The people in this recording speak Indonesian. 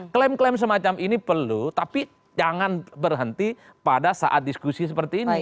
klaim klaim semacam ini perlu tapi jangan berhenti pada saat diskusi seperti ini